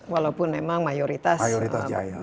walaupun emang mayoritas di jawa